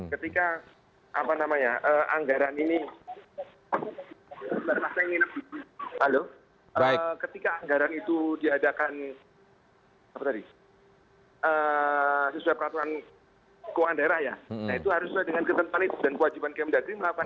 ketika anggaran ini ketika anggaran itu diadakan sesuai peraturan keuangan daerah ya nah itu harus sesuai dengan ketentuan itu dan kewajiban kementerian